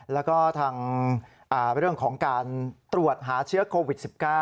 แล้วก็ทางเรื่องของการตรวจหาเชื้อโควิด๑๙